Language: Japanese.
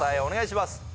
お願いします